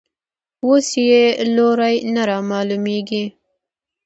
اوس یې لوری نه رامعلومېږي.